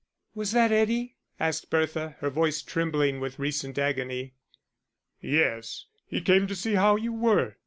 "Was that Eddie?" asked Bertha, her voice trembling with recent agony. "Yes; he came to see how you were."